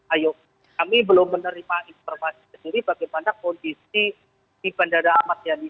ayo kami belum menerima informasi sendiri bagaimana kondisi di bandara ahmad yani